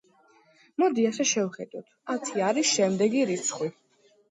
მოდი ასე შევხედოთ: ათი არის შემდეგი რიცხვი.